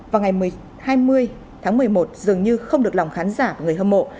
vào ngày hai mươi tháng một mươi một dường như không được lòng khán giả người hâm mộ